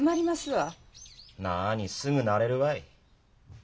なにすぐ慣れるわい。